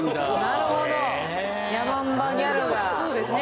なるほどヤマンバギャルがそうですね